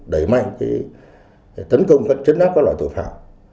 đẩy mạnh tấn công các chấn áp các loại tội phạm